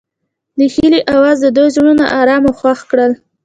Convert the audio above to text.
د هیلې اواز د دوی زړونه ارامه او خوښ کړل.